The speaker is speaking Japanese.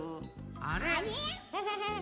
あれ？